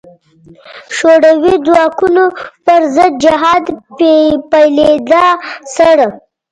شوروي ځواکونو پر ضد جهاد پیلېدا سره.